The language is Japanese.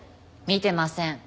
見てません。